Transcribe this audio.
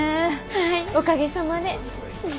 はいおかげさまで。